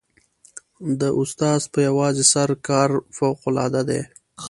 د استاد په یوازې سر کار فوقالعاده دی.